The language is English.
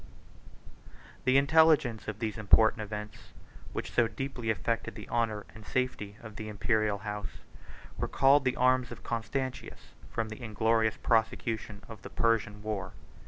] The intelligence of these important events, which so deeply affected the honor and safety of the Imperial house, recalled the arms of Constantius from the inglorious prosecution of the Persian war.